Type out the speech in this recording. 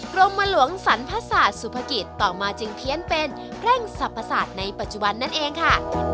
กรมหลวงสรรพศาสตร์สุภกิจต่อมาจึงเพี้ยนเป็นแพร่งสรรพศาสตร์ในปัจจุบันนั่นเองค่ะ